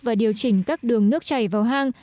và điều chỉnh các đường nước chảy vào hang